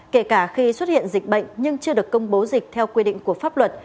kể cả khi xuất hiện dịch bệnh nhưng chưa được công bố dịch theo quy định của pháp luật